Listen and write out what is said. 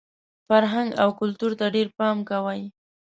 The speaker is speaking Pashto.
فرهنګ او کلتور ته ډېر پام کوئ!